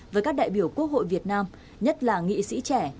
với các đại biểu quốc hội việt nam nhất là nghị sĩ trẻ